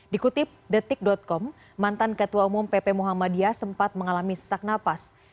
dikutip detik com mantan ketua umum pp muhammadiyah sempat mengalami sesak napas